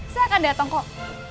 saya akan datang kok